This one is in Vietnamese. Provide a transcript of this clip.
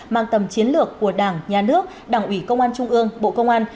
mang tầm chiến lược của đảng nhà nước đảng ủy công an trung ương bộ công an